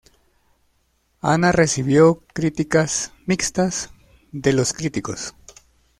Anna recibió críticas mixtas de los críticos.